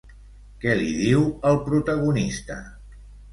Què li diu al protagonista?